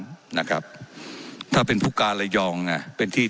เจ้าหน้าที่ของรัฐมันก็เป็นผู้ใต้มิชชาท่านนมตรี